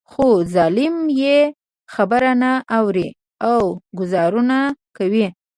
خو ظالم يې خبره نه اوري او ګوزارونه کوي.